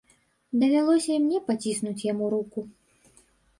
Давялося і мне паціснуць яму руку.